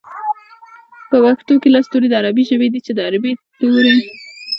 په پښتو کې لس توري د عربۍ ژبې دي چې د عربۍ توري څرګندوي